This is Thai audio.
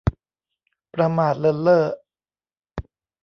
ประมาทเลินเล่อ